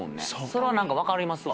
それは何か分かりますわ。